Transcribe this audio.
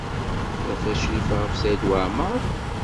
Terfa Crifa ɣef Saɛid Waɛmaṛ?